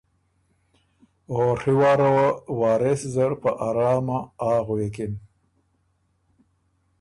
او ڒی واره وه وارث زر په ارامه ”آ“ غوېکِن۔